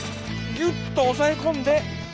ギュッと押さえ込んで。